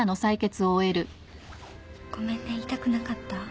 ごめんね痛くなかった？